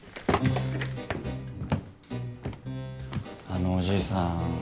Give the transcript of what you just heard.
あのおじいさん